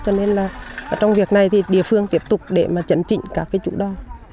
cho nên là trong việc này thì địa phương tiếp tục để mà chấn trịnh các cái chủ đo